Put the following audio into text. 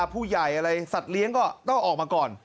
ผู้ใหญ่อะไรสัตว์เลี้ยงก็ต้องออกมาก่อน